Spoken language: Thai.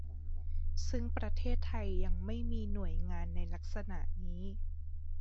ซึ่งประเทศไทยยังไม่มีหน่วยงานในลักษณะนี้